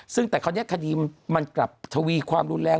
ซึ่งแต่คราวนี้คดีมันกลับทวีความรุนแรง